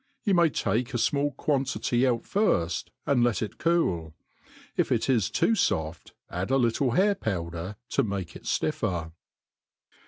You may take a fmall quantity out firft, and let it cool i if it is too foft add a little hair>powd&'r to make it fliffer.